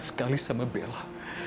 sekali sama bella